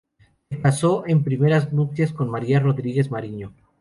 Se casó en primeras nupcias con María Rodríguez Mariño.